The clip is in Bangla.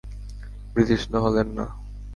বিতৃষ্ণ হলেন না।